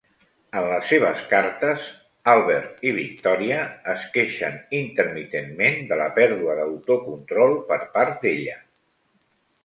En les seves cartes, Albert i Victòria es queixen intermitentment de la pèrdua d'autocontrol per part d'ella.